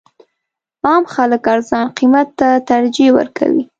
عام خلک ارزان قیمت ته ترجیح ورکوي.